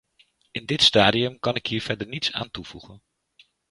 In dit stadium kan ik hier verder niets aan toevoegen.